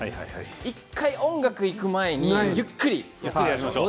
１回音楽にいく前にゆっくりやってみましょう。